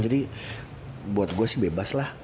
jadi buat gue sih bebas lah